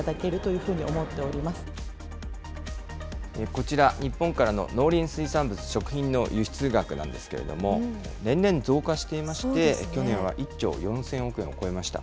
こちら、日本からの農林水産物・食品の輸出額なんですけれども、年々増加していまして、去年は１兆４０００億円を超えました。